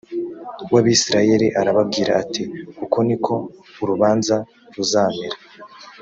w abisirayeli arababwira ati uko ni ko urubanza ruzamera